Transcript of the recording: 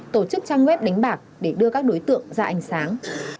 tổ chức trang web đánh bạc để đưa các đối tượng ra ánh sáng